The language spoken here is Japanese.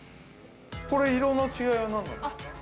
◆これ、色の違いは何なんですか。